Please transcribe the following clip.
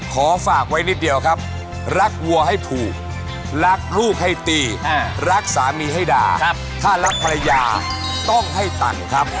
ขอฝากไว้นิดเดียวครับรักวัวให้ผูกรักลูกให้ตีรักสามีให้ด่าถ้ารักภรรยาต้องให้ตันครับ